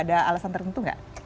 ada alasan tertentu gak